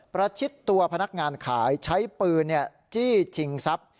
ประชิดตัวพนักงานขายใช้ปืนจี้ชิงทรัพย์